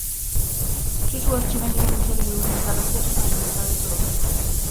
W przyszłości będziemy musieli również zabezpieczyć nasze dostawy surowców